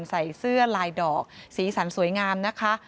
ใส่เสื้อลายดอกสีสันสวยงามนะคะ